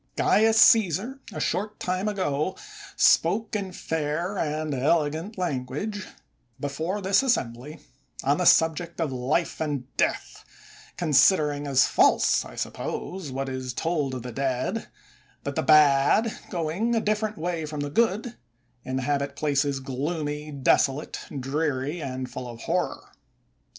Caius CflBsar, a short time ago, spoke in fair and elegant language, before this assembly, on the subject of life and death; considering as false, I suppose, what is told of the dead — that the bad, going a different way from the good, inhabit places gloomy, desolate, dreary and full of horror.